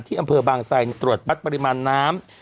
ที่อำเภอบางทรายตรวจปัดปริมาณน้ำ